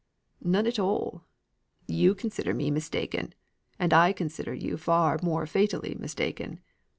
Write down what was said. "None at all. You consider me mistaken, and I consider you far more fatally mistaken.